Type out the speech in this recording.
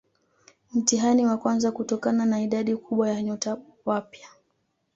Mtihani wa kwanza kutokana na idadi kubwa ya nyota wapya